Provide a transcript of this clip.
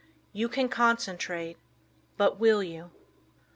YOU CAN CONCENTRATE, BUT WILL YOU?